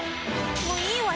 もういいわよね？